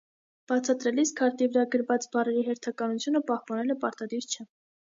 Բացատրելիս քարտի վրա գրված բառերի հերթականությունը պահպանելը պարտադիր չէ։